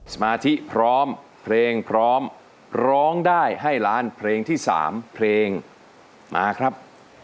สมาธิพร้อมเพลงพร้อมร้องได้ให้ล้านเพลงที่๓เพลงมาครับ